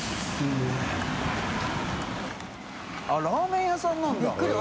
ラーメン屋さんなんだ？びっくり。